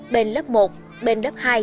bên lớp một bên lớp hai